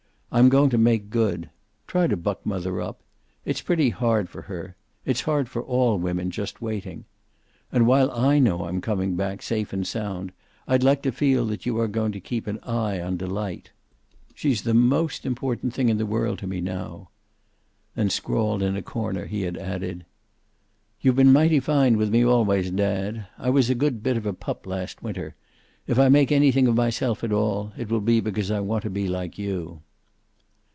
I'm going to make good. Try to buck mother up. It's pretty hard for her. It's hard for all women, just waiting. And while I know I'm coming back, safe and sound, I'd like to feel that you are going to keep an eye on Delight. She's the most important thing in the world to me now." Then scrawled in a corner he had added, "You've been mighty fine with me always, dad. I was a good bit of a pup last winter. If I make anything of myself at all, it will be because I want to be like you."